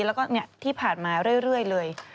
แล้วก็ที่ผ่านมาเรื่อยเลย